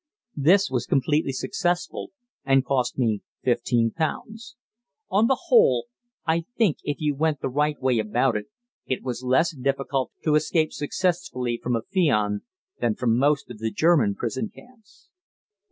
This was completely successful, and cost me £15. On the whole, I think if you went the right way about it, it was less difficult to escape successfully from Afion than from most of the German camps.